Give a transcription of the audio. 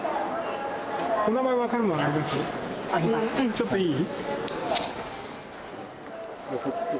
ちょっといい？